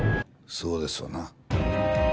そうですわな